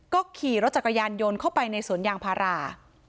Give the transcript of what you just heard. ก็ขี่รถจักรยานยนต์เข้าไปในสวนยางพารา